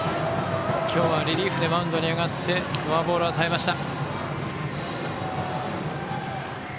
今日はリリーフでマウンドに上がってフォアボールを与えました。